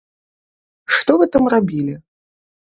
Што вы там рабілі?